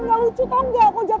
kalo masih mau hidup